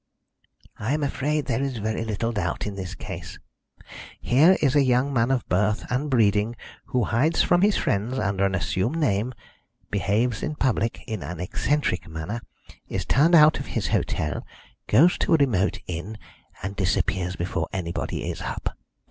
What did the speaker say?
"I am afraid there is very little doubt in this case. Here is a young man of birth and breeding, who hides from his friends under an assumed name, behaves in public in an eccentric manner, is turned out of his hotel, goes to a remote inn, and disappears before anybody is up.